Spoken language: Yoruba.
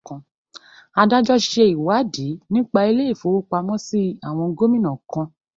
Adájọ́ ṣe ìwádìí nípa ilé ìfowópamọ́sí àwọn gómìnà kan.